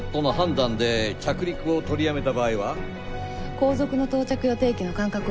後続の到着予定機の間隔を確認。